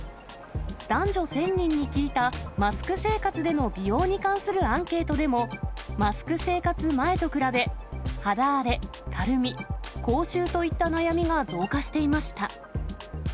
男女１０００人に聞いたマスク生活での美容に関するアンケートでも、マスク生活前と比べ、肌荒れ、たるみ、口臭といった悩みが増加していました。